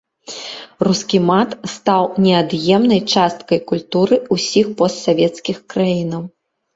Рускі мат стаў неад'емнай часткай культуры ўсіх постсавецкіх краінаў.